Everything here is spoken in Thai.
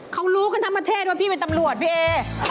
เขารู้กันทั้งประเทศว่าพี่เป็นตำรวจพี่เอ